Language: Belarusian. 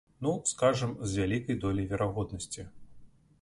Ну, скажам, з вялікай доляй верагоднасці.